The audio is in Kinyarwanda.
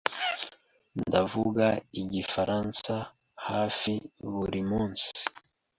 Ndavuga Igifaransa hafi buri munsi.